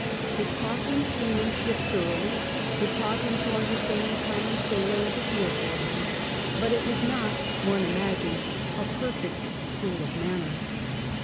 It taught him seamanship thoroughly; it Uiught him to understand the common sailor, and to feel for him. But it was not, one imagines, a periect school of manners.